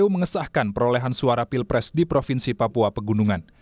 mengesahkan perolehan suara pilpres di provinsi papua pegunungan